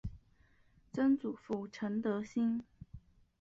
曾祖父陈德兴。